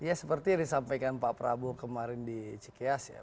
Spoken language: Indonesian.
ya seperti disampaikan pak prabowo kemarin di cikias ya